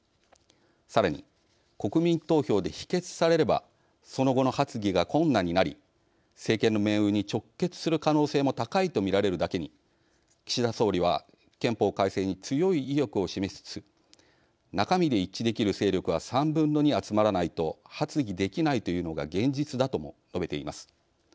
さらに、国民投票で否決されればその後の発議が困難になり政権の命運に直結する可能性も高いと見られるだけに岸田総理は憲法改正に強い意欲を示しつつ「中身で一致できる勢力が３分の２集まらないと発議できないというのが現実だ」とも述べています。